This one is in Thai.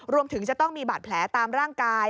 รวมถึงจะต้องมีบาดแผลตามร่างกาย